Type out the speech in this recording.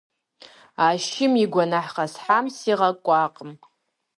А шым и гуэныхь къэсхьам сигъэкӀуакъым.